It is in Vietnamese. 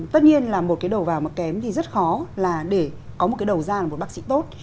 tất nhiên là một cái đầu vào mà kém thì rất khó là để có một cái đầu ra là một bác sĩ tốt